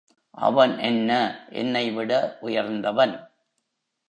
அவன் என்ன என்னைவிட உயர்ந்தவன்.